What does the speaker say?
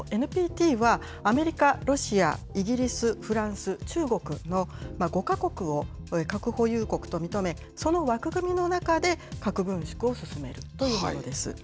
ＮＰＴは、アメリカ、ロシア、イギリス、フランス、中国の５か国を核保有国と認め、その枠組みの中で核軍縮を進めるというものです。